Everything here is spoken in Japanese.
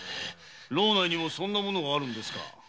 牢内にもそんなものがあるんですか？